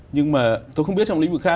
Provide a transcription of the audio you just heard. nhưng mà tôi không biết trong lĩnh vực khác